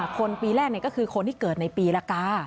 คนปีแรกก็คือคนที่เกิดในปีละกา